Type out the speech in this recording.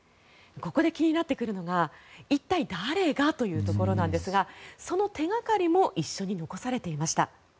ここで気になってくるのが一体誰がというところなんですがその手掛かりも一緒に残されていました。